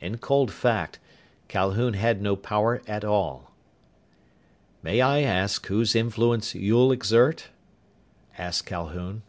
In cold fact, Calhoun had no power at all. "May I ask whose influence you'll exert?" asked Calhoun.